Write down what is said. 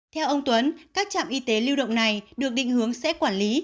theo ông tuấn các trạm y tế lưu động này được định hướng sẽ quản lý